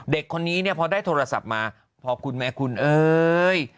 เด็กคนนี้เนี่ยพอได้โทรศัพท์มาพอคุณแม่คุณเอ้ย